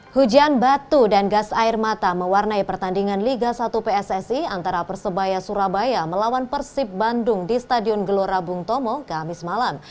hujan batu dan gas air mata mewarnai pertandingan liga satu pssi antara persebaya surabaya melawan persib bandung di stadion gelora bung tomo kamis malam